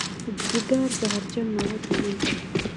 ځیګر زهرجن مواد له منځه وړي